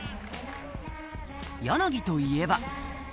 柳といえば。